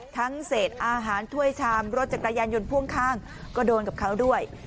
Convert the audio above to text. เศษอาหารถ้วยชามรถจักรยานยนต์พ่วงข้างก็โดนกับเขาด้วย